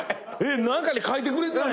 何かに書いてくれてたんや。